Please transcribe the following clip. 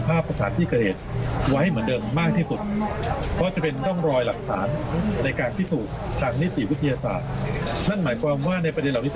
อาศัยจากภาพจากกล้องคุณช้อนปิดที่เป็นคลิปวิดีโอ